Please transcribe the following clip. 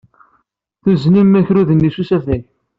Tuznem akerrud-nni s usafag.